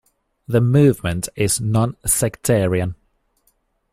The movement is non-sectarian.